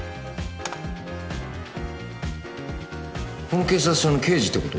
この警察署の刑事って事？